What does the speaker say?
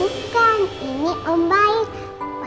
bukan ini om baik